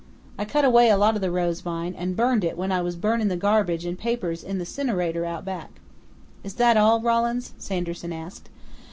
I cut away a lot of the rose vine and burned it when I was burnin' the garbage and papers in the 'cinerator out back." "Is that all, Rawlins?" Sanderson asked.